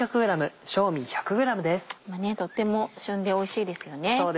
今とっても旬でおいしいですよね。